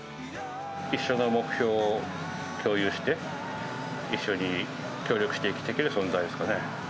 一緒の目標を共有して、一緒に協力して生きていける存在ですかね。